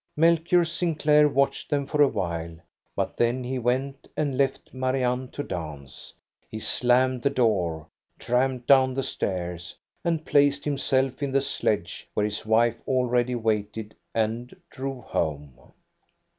Melchior Sinclair watched them for a while; but then he went and left Marianne to dance. He slammed the door, tramped down the stairs, and placed himself in the sledge, where his wife already waited, and drove home.